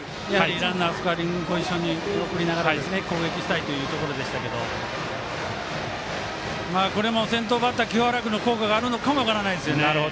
ランナーをスコアリングポジションに送りながら攻撃したいところでしたが先頭バッターの清原君の効果があるかも分からないです。